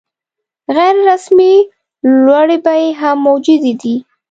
غیر رسمي لوړې بیې هم موجودې دي.